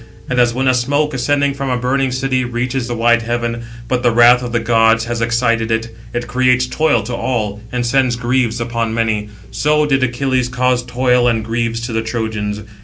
And as when a smoke, ascending from a burning city, reaches the wide heaven, but the wrath of the gods has excited it; it creates toil to all, and sends griefs upon many; so did Achilles cause toil and griefs to the Trojans.